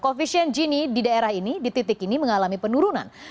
koefisien gini di daerah ini di titik ini mengalami penurunan